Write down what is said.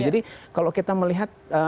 jadi kalau kita melihat